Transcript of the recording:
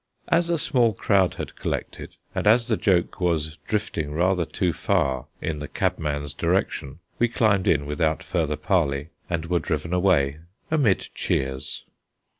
As a small crowd had collected, and as the joke was drifting rather too far in the cabman's direction, we climbed in without further parley, and were driven away amid cheers.